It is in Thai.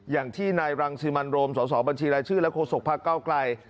อย่างที่นายรังสิมันโรมสสบัญชีรายชื่อและโฆษกพระเก้าไกล